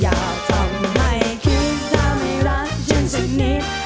อยากทำให้คิดถ้าไม่รักจนสักนิด